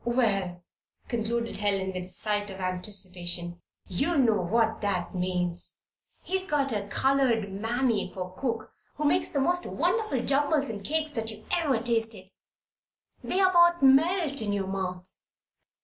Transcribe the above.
Well," concluded Helen, with a sigh of anticipation, "you'll soon know what that means. He's got a colored Mammy for cook who makes the most wonderful jumbles and cakes that you ever tasted they about melt in pour mouth!"